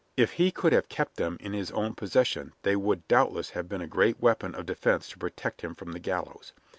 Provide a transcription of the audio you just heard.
If he could have kept them in his own possession they would doubtless have been a great weapon of defense to protect him from the gallows.